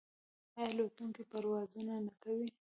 آیا الوتکې پروازونه نه کوي؟